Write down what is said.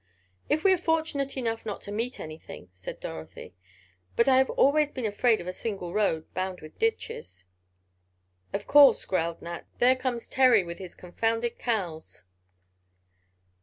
"If we are fortunate enough not to meet anything," said Dorothy. "But I have always been afraid of a single road, bound with ditches." "Of course," growled Nat, "there comes Terry with his confounded cows."